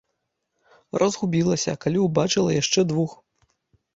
Разгубілася, калі ўбачыла яшчэ двух.